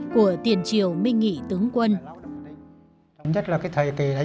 của tiền triều minh nghị tướng quân